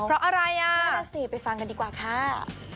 เพราะอะไรอ่ะนั่นแหละสิไปฟังกันดีกว่าค่ะ